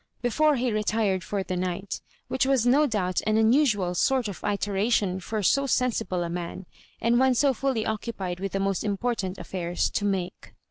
before he retired for tho night ; which was no doubt an unusual sort of iteration for so sen sible a man, and one so fully occupied with the most important affairs, to make.